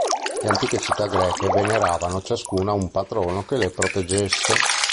Le antiche città greche veneravano ciascuna un patrono che le proteggesse.